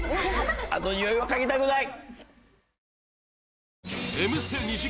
あのにおいは嗅ぎたくない！